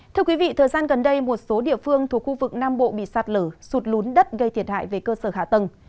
thưa quý vị thời gian gần đây một số địa phương thuộc khu vực nam bộ bị sạt lở sụt lún đất gây thiệt hại về cơ sở hạ tầng